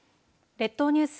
列島ニュース